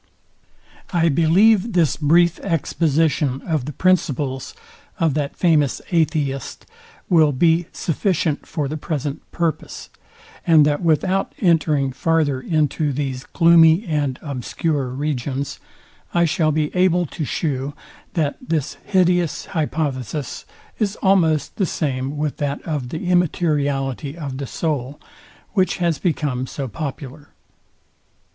I believe this brief exposition of the principles of that famous atheist will be sufficient for the present purpose, and that without entering farther into these gloomy and obscure regions, I shall be able to shew, that this hideous hypothesis is almost the same with that of the immateriality of the soul, which has become so popular.